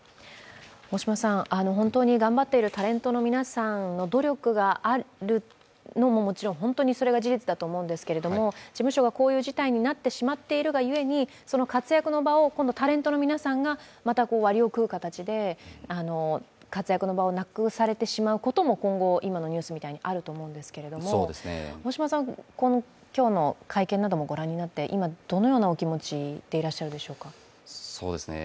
本当に頑張っているタレントの皆さんの努力があるのももちろん、本当にそれが事実だと思うんですけど、事務所がこういう事態になってしまうがゆえにその活躍の場を今度はタレントの皆さんが割を食う形で活躍の場をなくされてしまうことも今後、今のニュースみたいにあると思うんですけれども、大島さんは今日の会見などもご覧になって、今、どのようなお気持ちでいらっしゃるでしょうか？